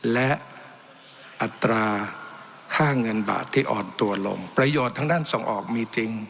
และอัตราค่าเงินบาทที่อ่อนตัวลงประโยชน์ทางด้านส่งออกมีจริง